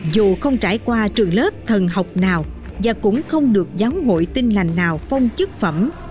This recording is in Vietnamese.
dù không trải qua trường lớp thần học nào và cũng không được giáo hội tin lành nào phong chức phẩm